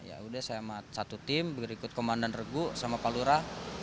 ya udah sama satu tim berikut komandan regu sama palura